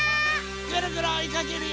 ぐるぐるおいかけるよ！